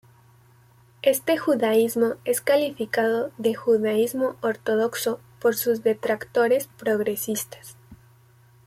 Este judaísmo es calificado de judaísmo ortodoxo por sus detractores progresistas.